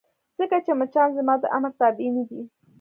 ځکه چې مچان زما د امر تابع نه دي.